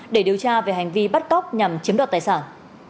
để điều tra về hành vi bắt cóc nhằm chiếm đoạt tài sản